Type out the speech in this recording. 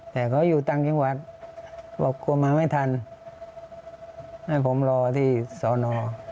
แต่เขาอยู่ต่างจังหวัดบอกกลัวมาไม่ทันให้ผมรอที่สอนอ